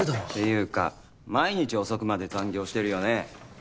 っていうか毎日遅くまで残業してるよね。